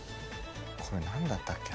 これ何だったっけ？